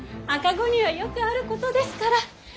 赤子にはよくあることですから。